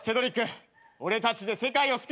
俺たちで世界を救うぞ！